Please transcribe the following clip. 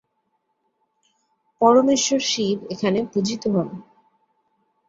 পরমেশ্বর শিব এখানে পূজিত হন।